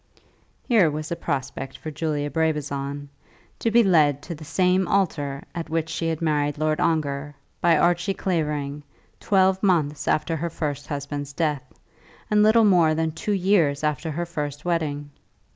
Here was a prospect for Julia Brabazon; to be led to the same altar, at which she had married Lord Ongar, by Archie Clavering, twelve months after her first husband's death, and little more than two years after her first wedding!